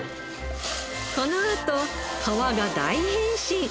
このあと皮が大変身！